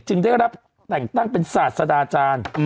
ได้รับแต่งตั้งเป็นศาสดาอาจารย์